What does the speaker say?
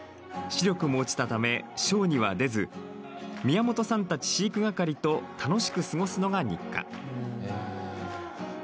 視力も落ちたためショーには出ず宮本さんたち飼育係と楽しく過ごすのが日課。